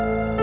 eh lu kenapa